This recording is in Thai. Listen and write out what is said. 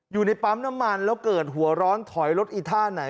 อยู่ในปั๊มน้ำมันแล้วเกิดหัวร้อนถอยรถอีท่าไหน